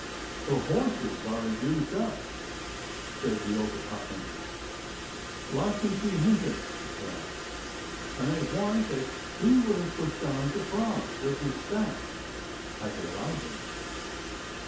"The horses are used up!" says the Oberhauptmann. "Lassen Sie hinter!" he cries; and I warrant that he would have pushed on to Prague with his staff, had they allowed him.